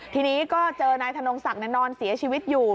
ทีนี้ก็เจอนายธนงศักดิ์นอนเสียชีวิตอยู่